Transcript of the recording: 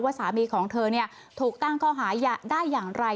สามีของเธอถูกตั้งข้อหาได้อย่างไร